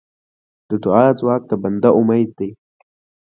د دعا ځواک د بنده امید دی.